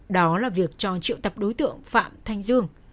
đó là việc cho triệu tập đối tượng phạm thanh dương